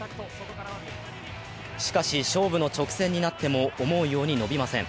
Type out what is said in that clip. しかし、勝負の直線になっても思うように伸びません。